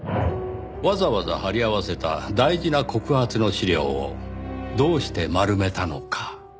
わざわざ貼り合わせた大事な告発の資料をどうして丸めたのか？